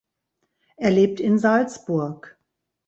Er lebt in Salzburg.